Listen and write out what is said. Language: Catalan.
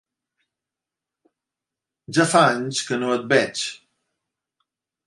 Ja fa anys que no et veig!